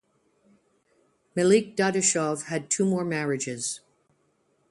Melik Dadashov had two more marriages.